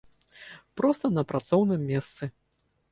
Проста на працоўным месцы.